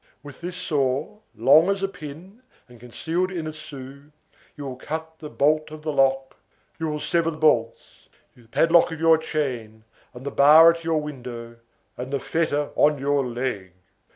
With this saw, as long as a pin, and concealed in a sou, you will cut the bolt of the lock, you will sever bolts, the padlock of your chain, and the bar at your window, and the fetter on your leg.